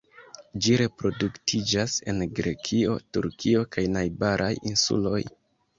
Ĝi reproduktiĝas en Grekio, Turkio kaj najbaraj insuloj.